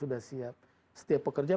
sudah siap setiap pekerja